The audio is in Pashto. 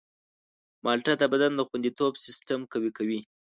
مالټه د بدن د خوندیتوب سیستم قوي کوي.